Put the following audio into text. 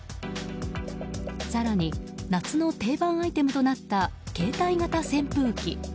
更に、夏の定番アイテムとなった携帯型扇風機。